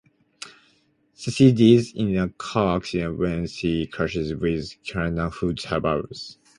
Cecille dies in a car accident when she crashes with Cynthia who survives.